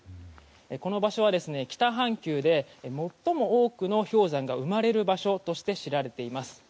この場所は北半球で最も多くの氷山が生まれる場所として知られています。